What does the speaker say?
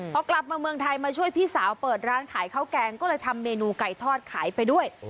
พอกลับมาเมืองไทยมาช่วยพี่สาวเปิดร้านขายข้าวแกงก็เลยทำเมนูไก่ทอดขายไปด้วย